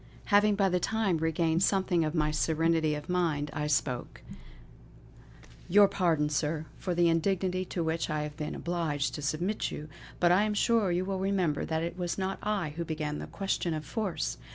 Having by this time regained something of my serenity of mind, I spoke: "Your pardon, Sir, for the indignity to which I have been obliged to submit you; but I am sure you will remember that it was not I who began the question of force.